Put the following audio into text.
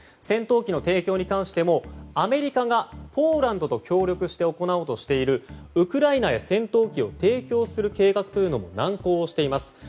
戦闘機の提供に関してもアメリカがポーランドと協力して行おうとしているウクライナへ戦闘機を提供する計画も難航しています。